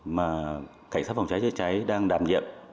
mà cảnh sát phòng cháy chữa cháy đang đảm nhiệm